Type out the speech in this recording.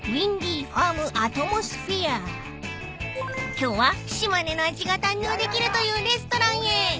［今日は島根の味が堪能できるというレストランへ］